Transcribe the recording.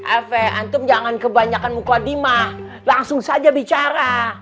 afe antum jangan kebanyakan mukaddimah langsung saja bicara